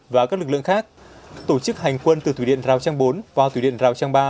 và các lực lượng khác tổ chức hành quân từ thủy điện rào trang bốn vào thủy điện rào trang ba